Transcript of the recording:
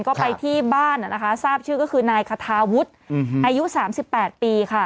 ก็ไปที่บ้านนะคะทราบชื่อก็คือนายคาทาวุฒิอายุ๓๘ปีค่ะ